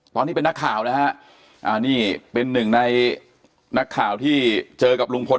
ตอนนี้เป็นนักข่าวนะฮะนี่เป็นหนึ่งในนักข่าวที่เจอกับลุงพล